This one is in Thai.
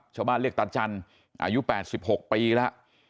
ชาวบ้านเรียกตาจันทร์อายุ๘๖ปีแล้ว